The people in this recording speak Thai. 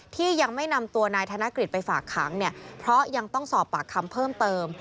ที่ยังไม่นำตัวนายธนกฤษไปฝากขังเนี่ยเพราะยังต้องสอบปากคำเพิ่มเติม